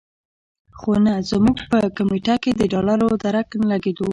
خو نه زموږ په کمېټه کې د ډالرو درک لګېدو.